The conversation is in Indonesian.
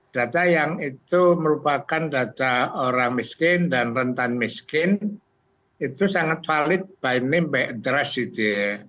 data yang itu merupakan data orang miskin dan rentan miskin itu sangat valid by name by address itu ya